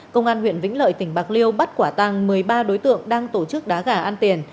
công an huyện vĩnh lợi tỉnh bạc liêu bắt quả tăng một mươi ba đối tượng đang tổ chức đá gà ăn tiền